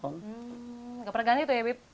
nggak pernah ganti itu ya bib